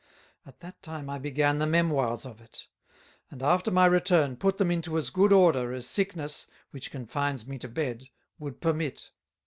At that time I began the Memoires of it; and after my return, put them into as good order, as Sickness, which confines me to Bed, would permit.